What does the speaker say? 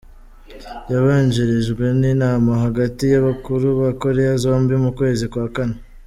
Yabanjirijwe n'inama hagati y'abakuru ba Korea zombi mu kwezi kwa kane.